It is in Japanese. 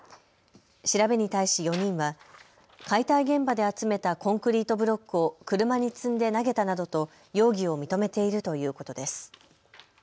調べに対し４人は解体現場で集めたコンクリートブロックを車に積んで投げたなどと容疑を認めているということです。